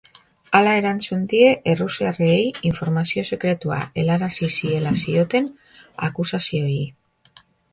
Hala erantzun die errusiarrei informazio sekretua helarazi ziela zioten akusazioei.